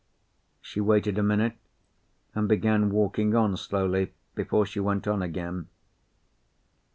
She waited a minute, and began walking on slowly before she went on again.